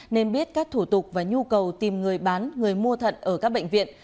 nên biết các thủ tục và nhu cầu tìm người bán người mua thận ở các bệnh viện